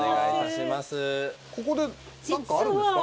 ここでなんかあるんですか？